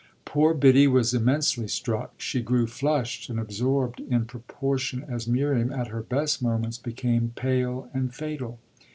Poor Biddy was immensely struck; she grew flushed and absorbed in proportion as Miriam, at her best moments, became pale and fatal.